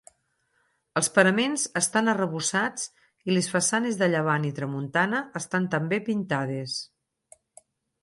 Els paraments estan arrebossats i les façanes de llevant i tramuntana estan també pintades.